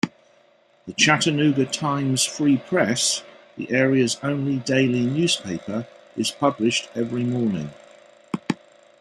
The "Chattanooga Times Free Press", the area's only daily newspaper, is published every morning.